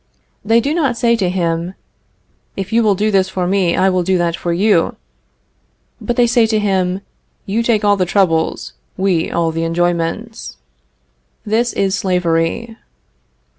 They do not say to him, "If you will do this for me, I will do that for you," but they say to him, "You take all the troubles; we all the enjoyments." This is slavery.